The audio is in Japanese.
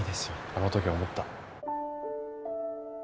あの時思った。